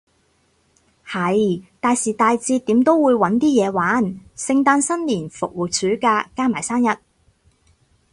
係，大時大節點都會搵啲嘢玩，聖誕新年復活暑假，加埋生日